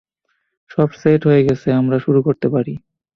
সব সেট হয়ে গেছে, আমরা শুরু করতে পারি।